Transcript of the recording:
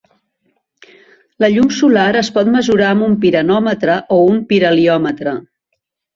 La llum solar es pot mesurar amb un piranòmetre o pirheliòmetre.